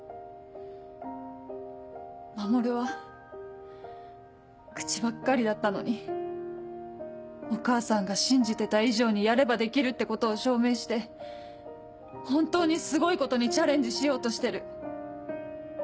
守は口ばっかりだったのにお母さんが信じてた以上にやればできるってことを証明して本当にすごいことにチャレンジしようとしてる。